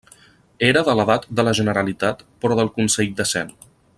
Era de l'edat de la Generalitat però del Consell de cent.